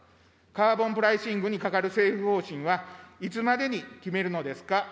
カーボンプライシングにかかる政府方針は、いつまでに決めるのですか。